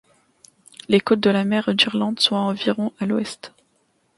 Les côtes de la mer d'Irlande sont à environ à l'ouest.